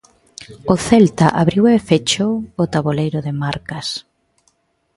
O Celta abriu e fechou o taboleiro de marcas.